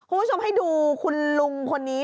คุณผู้ชมให้ดูคุณลุงคนนี้